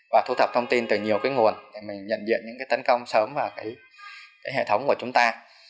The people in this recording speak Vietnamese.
và thu thập thông tin từ nhiều nguồn để nhận diện những tấn công sớm vào hệ thống của chúng ta